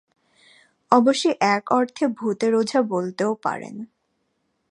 অবশ্যি এক অর্থে ভূতের ওঝা বলতেও পারেন।